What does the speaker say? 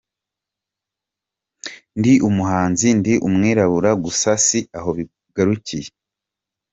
Ndi umuhanzi, ndi umwirabura gusa si aho bigarukiye.